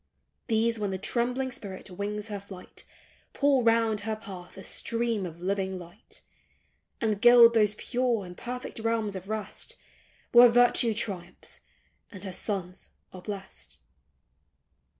These, when the trembling spirit wings her flight Pour round her path a stream of living light ; And gild those pure and perfect realms of rest, Where virtue triumphs, and her sons are blest